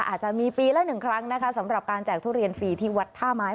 อาจจะมีปีละหนึ่งครั้งนะคะสำหรับการแจกทุเรียนฟรีที่วัดท่าไม้